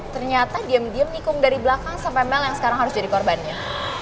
ternyata diem diem nikung dari belakang sampai mel yang sekarang harus jadi korbannya